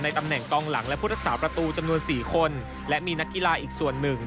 ในตำแหน่งกองหลังและพุทธศาสตร์ประตูจำนวนสี่คนและมีนักกีฬาอีกส่วนหนึ่ง